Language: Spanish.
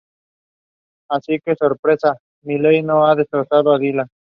Así que… sorpresa: Miley no ha destrozado a Dylan.